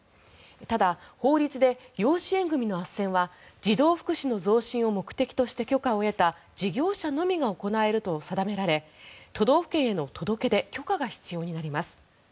ただ、法律で養子縁組のあっせんは児童福祉の増進を目的として許可を得た事業者のみが行えると定められ都道府県への届け出・許可が必要になります。